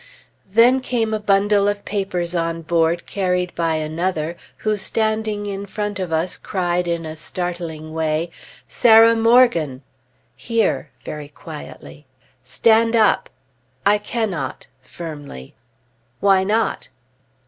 Then came a bundle of papers on board carried by another, who standing in front of us, cried in a startling way, "Sarah Morgan!" "Here" (very quietly). "Stand up!" "I cannot" (firmly). "Why not?"